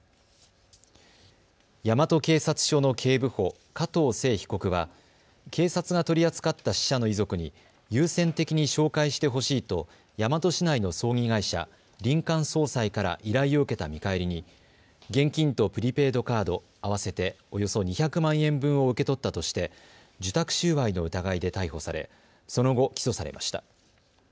大和警察署の警部補、加藤聖被告は警察が取り扱った死者の遺族に優先的に紹介してほしいと大和市内の葬儀会社、林間葬祭から依頼を受けた見返りに現金とプリペイドカード合わせておよそ２００万円分を受け取ったとして受託収賄の疑いで逮捕されその後、起訴されました。